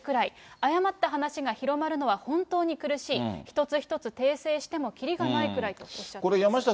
誤った話が広まるのは本当に苦しい、一つ一つ訂正してもきりがないくらいとおっしゃっていました。